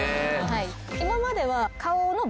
今までは。